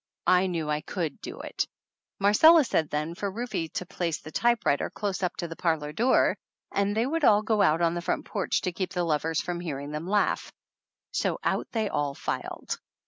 I knew I could do it! Marcella said then for Rufe to place the typewriter close up to the parlor door, and they would all go out on the front porch to keep the lovers from hearing them laugh. So out they all filed.